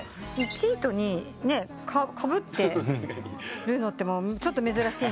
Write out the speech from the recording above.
１位と２位かぶってるのってちょっと珍しいなと。